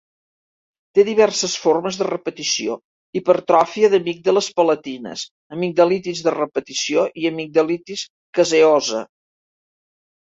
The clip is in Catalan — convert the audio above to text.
Té diverses formes de repetició: hipertròfia d'amígdales palatines, amigdalitis de repetició, i amigdalitis caseosa.